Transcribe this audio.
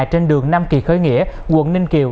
trên đường nam kỳ khởi nghĩa quận ninh kiều